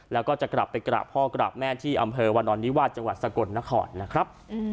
แล้วก็จะกลับไปกราบพ่อกราบแม่ที่อำเภอวานอนนิวาสจังหวัดสกลนครนะครับ